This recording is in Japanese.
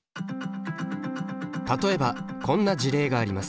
例えばこんな事例があります。